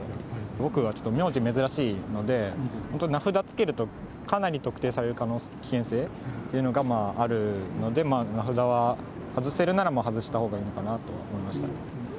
僕はちょっと名字が珍しいので、本当に名札付けると、かなり特定させる可能性、危険性というのがあるので、まあ、名札は外せるなら外したほうがいいのかなと思いましたね。